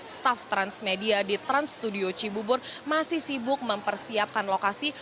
staf transmedia di trans studio cibubur masih sibuk mempersiapkan lokasi